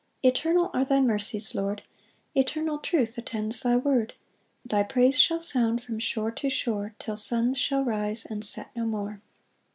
2 Eternal are thy mercies, Lord; Eternal truth attends thy word: Thy praise shall sound from shore to shore, Till suns shall rise and set no more.